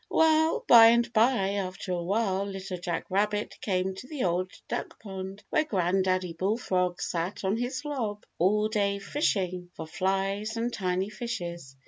Well, by and by, after a while, Little Jack Rabbit came to the Old Duck Pond where Granddaddy Bullfrog sat on his log all day fishing for flies and tiny fishes.